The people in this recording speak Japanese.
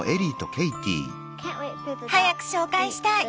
早く紹介したい！